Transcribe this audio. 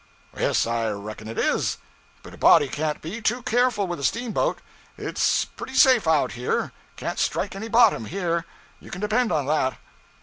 'Yes, I reckon it is; but a body can't be too careful with a steamboat. It's pretty safe out here; can't strike any bottom here, you can depend on that.'